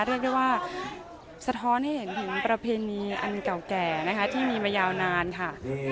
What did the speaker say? เรียกได้ว่าสะท้อนให้เห็นถึงประเพณีอันเก่าแก่นะคะที่มีมายาวนานค่ะ